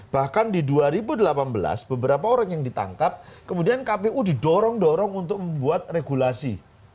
bahkan di dua ribu delapan belas beberapa orang yang ditangkap kemudian kpu didorong dorong untuk membuat regulasi